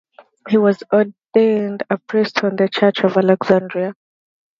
He was ordained a priest on the church of Alexandria.